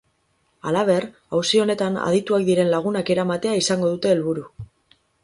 Halaber, auzi honetan adituak diren lagunak eramatea izango dute helburu.